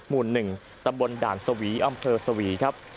หมู่๑ตำบลด่านสวีอำเภอสวีครับ